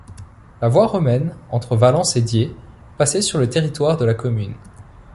La voie romaine entre Valence et Die passait sur le territoire de la commune.